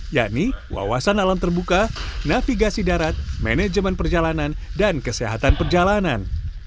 yakni wawasan alam terbuka navigasi darat manajemen perjalanan dan kesehatan perjalanan